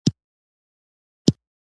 دا زاويه درېيمه زاويه ده